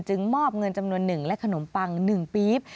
จึงมอบเงินจำนวนหนึ่งและขนมปังหนึ่งปี๊บ